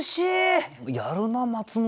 やるな松本さん。